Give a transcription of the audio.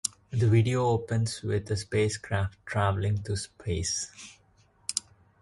The video opens with a spacecraft travelling through space.